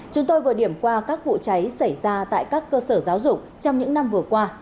chúng tôi vừa điểm qua các vụ cháy xảy ra tại các cơ sở giáo dục trong những năm vừa qua